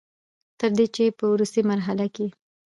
تر دې چې په ورورستۍ مرحله کښې